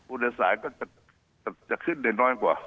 อุณสัยก็จะขึ้นได้น้อยกว่า